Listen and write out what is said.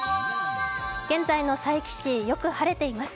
現在の佐伯市、よく晴れています。